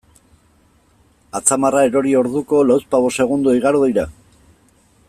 Atzamarra erori orduko, lauzpabost segundo igaro dira?